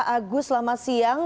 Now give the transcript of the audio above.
agus selamat siang